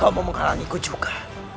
kau mau menghalangiku juga